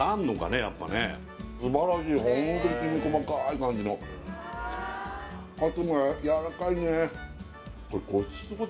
やっぱね素晴らしいホントにきめ細かい感じのかつもやわらかいねこれごちそうだ